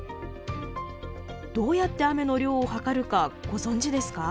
どうやって雨の量を量るかご存じですか？